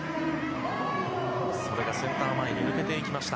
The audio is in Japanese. それがセンター前に抜けていきました。